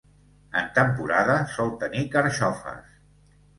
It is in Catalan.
En temporada sol tenir carxofes.